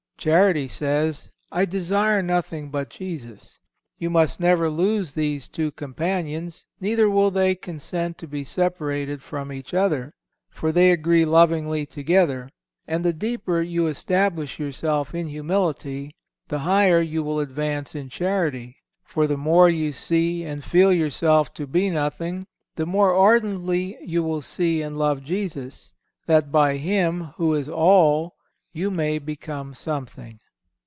Charity says, "I desire nothing but Jesus." You must never lose these two companions, neither will they consent to be separated from each other, for they agree lovingly together, and the deeper you establish yourself in humility the higher you will advance in charity, for the more you see and feel yourself to be nothing the more ardently you will see and love Jesus, that by Him who is All you may become something.